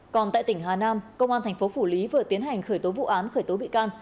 còn tại tỉnh hà nam công an thành phố phủ lý vừa tiến hành khởi tố vụ án khởi tố bị can